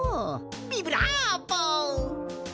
ビブラーボ！